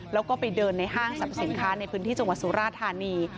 แล้วก็ไปเดินในห้างสรรพสินค้าในพื้นที่จังหวัดสุราธานี